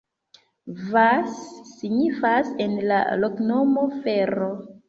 Vas signifas en la loknomo: fero.